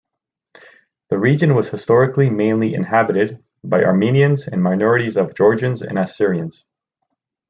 The region was historically mainly inhabited by Armenians, and minorities of Georgians and Assyrians.